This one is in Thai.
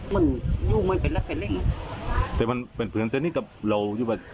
มันยุ่งมันเป็นลักเป็นเล่นแต่มันเป็นเผือนเซ็นต์นี้กับเราอยู่แบบ